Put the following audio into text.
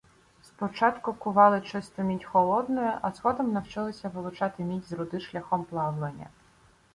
Спочатку кували чисту мідь холодною, а згодом навчилися вилучати мідь з руди шляхом плавлення.